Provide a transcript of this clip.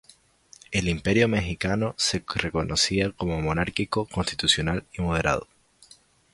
El imperio mexicano se reconocía como monárquico constitucional y moderado.